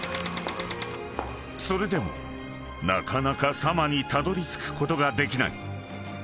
［それでもなかなかサマにたどりつくことができない］